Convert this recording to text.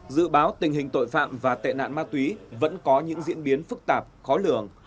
dự báo tình hình tội phạm và tệ nạn ma túy vẫn có những diễn biến phức tạp khó lường